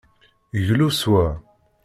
Glu s wa.